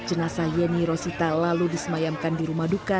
jenasa yeni rosita lalu disemayamkan di rumah duka